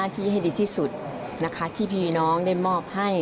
ที่พี่น้องได้มอบให้